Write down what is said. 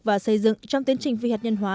và xây dựng trong tiến trình phi hạt nhân hóa